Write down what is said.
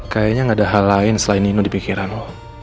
kayaknya gak ada hal lain selain nino di pikiran